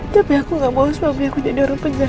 tapi aku gak mau se chapter aku jadi orang penjahat